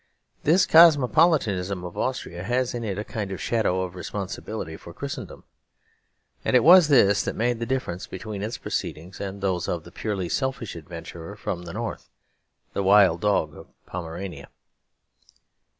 This cosmopolitanism of Austria has in it a kind of shadow of responsibility for Christendom. And it was this that made the difference between its proceedings and those of the purely selfish adventurer from the north, the wild dog of Pomerania.